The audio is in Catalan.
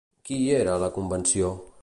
Qui hi era a la convenció?